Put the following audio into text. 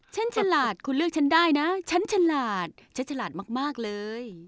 ฉลาดคุณเลือกฉันได้นะฉันฉลาดฉันฉลาดมากเลย